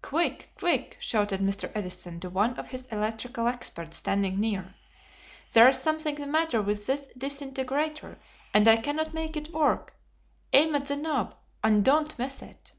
"Quick! Quick!" shouted Mr. Edison to one of his electrical experts standing near. "There is something the matter with this disintegrator, and I cannot make it work. Aim at the knob, and don't miss it."